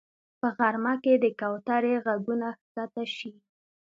په غرمه کې د کوترې غږونه ښکته شي